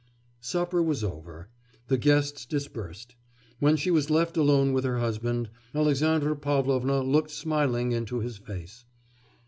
Supper was over. The guests dispersed. When she was left alone with her husband, Alexandra Pavlovna looked smiling into his face.